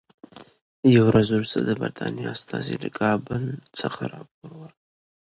یوه ورځ وروسته د برټانیې استازي له کابل څخه راپور ورکړ.